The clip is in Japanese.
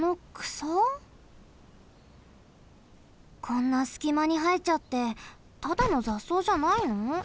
こんなすきまにはえちゃってただのざっそうじゃないの？